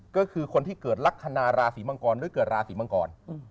ก็คือคนที่เกิดลักษณะราศีมังกรหรือเกิดราศีมังกร